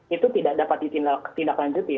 itu tidak dapat ditindaklanjuti